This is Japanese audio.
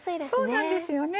そうなんですよね。